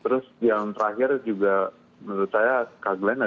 terus yang terakhir juga menurut saya kak glenn adalah orang yang sangat baik